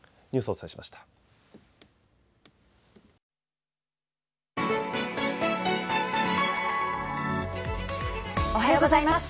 おはようございます。